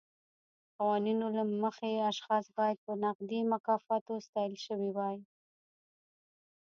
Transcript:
قوانینو له مخې اشخاص باید په نغدي مکافاتو ستایل شوي وای.